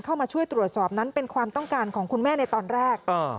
เข้ามาช่วยตรวจสอบนั้นเป็นความต้องการของคุณแม่ในตอนแรก